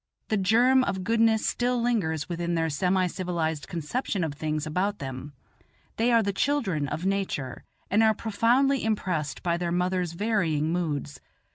The germ of goodness still lingers within their semi civilized conception of things about them; they are the children of Nature, and are profoundly impressed by their mother's varying moods.